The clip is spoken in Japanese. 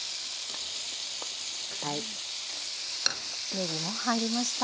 ねぎも入りました。